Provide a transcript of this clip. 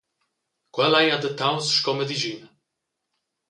Quel ei adattaus sco medischina.